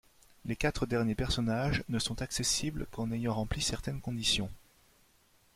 Les quatre derniers personnages ne sont accessibles qu'en ayant rempli certaines conditions.